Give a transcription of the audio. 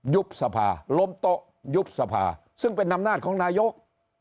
ยุบสภาลมตะยุบสภาซึ่งเป็นนำนาฬของนายก